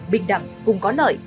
bình đẳng cùng có lợi